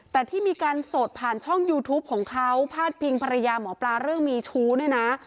แต่ที่มีการสดผ่านช่องยูทูปของเขาพาดพิงภรรยาหมอปลาเรื่องมีชู้เนี่ยนะ